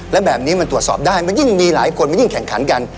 และแบบนี้มันตรวจสอบได้มันยิ่งมีหลายคนมันยิ่งแข่งขันกัน